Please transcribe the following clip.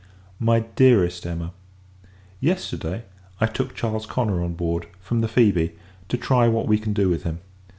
MY DEAREST EMMA, Yesterday, I took Charles Connor on board, from the Phoebe, to try what we can do with him.